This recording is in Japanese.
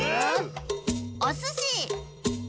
おすし！